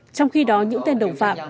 trong khi đó những tên đồng phạm